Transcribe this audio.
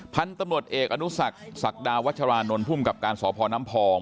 พันธุ์ตำรวจเอกอนุสักศักดาวัชรานนท์ภูมิกับการสพน้ำพอง